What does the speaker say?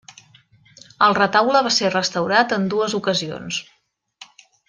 El retaule va ser restaurat en dues ocasions.